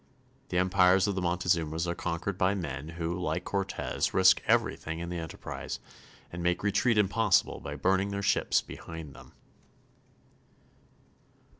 The empires of the Montezumas are conquered by men who, like Cortez, risk everything in the enterprise and make retreat impossible by burning their ships behind them.